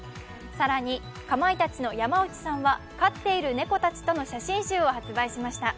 更にかまいたちの山内さんは飼っている猫たちの写真集を発売しました。